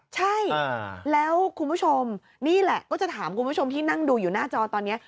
ใช่แล้วคุณผู้ชมนี่แหละก็จะถามคุณผู้ชมที่นั่งดูอยู่หน้าจอตอนนี้